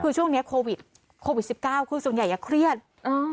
คือช่วงเนี้ยโควิดโควิดสิบเก้าคือส่วนใหญ่อ่ะเครียดอ่า